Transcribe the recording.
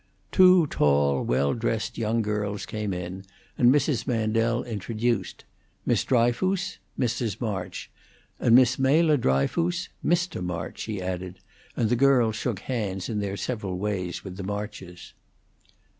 Two tall, well dressed young girls came in, and Mrs. Mandel introduced, "Miss Dryfoos, Mrs. March; and Miss Mela Dryfoos, Mr. March," she added, and the girls shook hands in their several ways with the Marches.